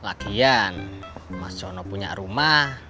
lagian mas cono punya rumah